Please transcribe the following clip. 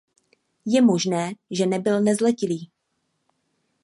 Je možné, že nebyl nezletilý.